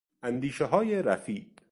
اندیشههای رفیع